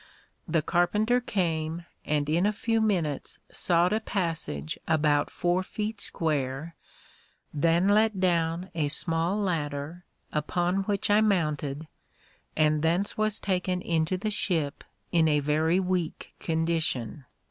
The carpenter came, and in a few minutes sawed a passage about four feet square, then let down a small ladder, upon which I mounted, and thence was taken into the ship in a very weak condition.